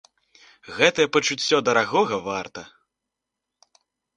Гэтае пачуццё дарагога варта!